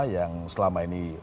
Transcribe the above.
yang selama ini